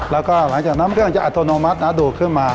แล้วก็หลังจากน้ำเครื่องจะอัตโนมัตินะดูดขึ้นมา